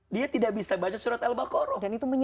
dia tidak bisa baca surat al baqarah